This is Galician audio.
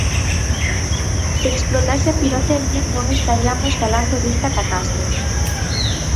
Se explotase a pirotecnia non estariamos falando desta catástrofe.